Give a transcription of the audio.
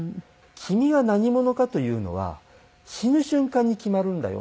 君が何者かというのは死ぬ瞬間に決まるんだよ。